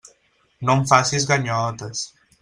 No em facis ganyotes.